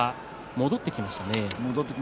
戻ってきましたね。